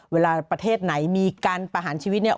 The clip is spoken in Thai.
ประเทศไหนมีการประหารชีวิตเนี่ย